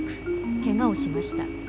けがをしました。